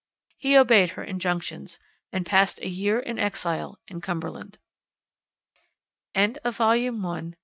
He obeyed her injunctions, and passed a year in exile in Cumberland. CHAPTER III.